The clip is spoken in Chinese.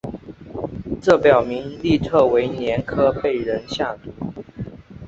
这表明利特维年科被人下毒。